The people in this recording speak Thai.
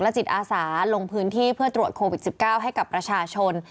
จิตอาสาลงพื้นที่เพื่อตรวจโควิด๑๙ให้กับประชาชน